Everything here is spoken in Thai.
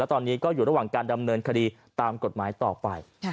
ตอนนี้ก็อยู่ระหว่างการดำเนินคดีตามกฎหมายต่อไป